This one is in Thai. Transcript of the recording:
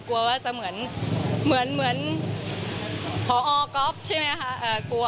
กลัวว่าจะเหมือนพอก๊อฟใช่ไหมคะ